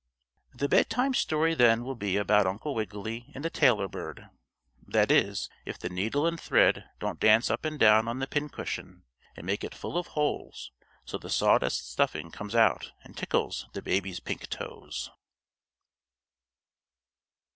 The bedtime story then will be about Uncle Wiggily and the tailor bird that is, if the needle and thread don't dance up and down on the pin cushion, and make it full of holes so the sawdust stuffing comes out and tickles the baby's pink toes.